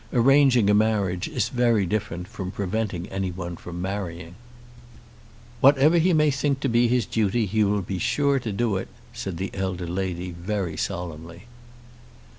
Arranging a marriage is very different from preventing any one from marrying." "Whatever he may think to be his duty he will be sure to do it," said the elder lady very solemnly.